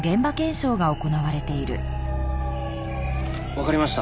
わかりました。